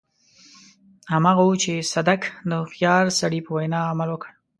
هماغه و چې صدک د هوښيار سړي په وينا عمل وکړ.